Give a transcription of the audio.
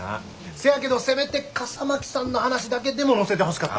せやけどせめて笠巻さんの話だけでも載せてほしかった。